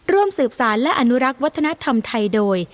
ร่วมสืบสารและอนุรักษ์วัฒนธรรมไทยโดย